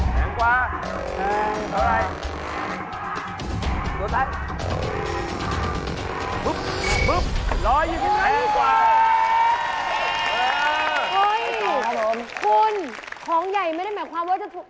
แพงกว่า